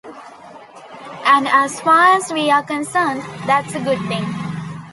And as far as we're concerned, that's a good thing.